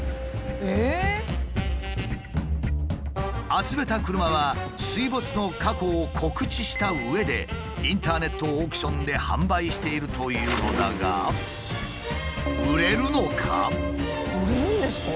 集めた車は水没の過去を告知したうえでインターネットオークションで販売しているというのだが売れるんですか？